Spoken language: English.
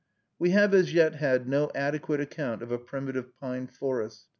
We have as yet had no adequate account of a primitive pine forest.